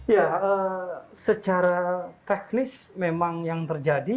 ya secara teknis memang yang terjadi